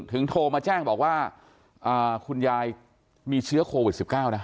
ถึงโทรมาแจ้งบอกว่าอ่าคุณยายมีเชื้อโควิดสิบเก้านะ